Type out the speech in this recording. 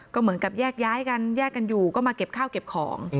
ก็เหมือนกับแยกย้ายกันแยกกันอยู่ก็มาเก็บข้าวเก็บของ